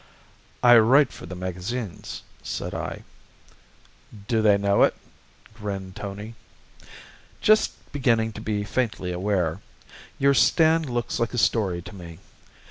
"I write for the magazines," said I. "Do they know it?" grinned Tony. "Just beginning to be faintly aware. Your stand looks like a story to me.